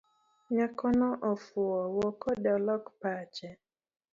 Nyakono ofuwo wuokode olok pache.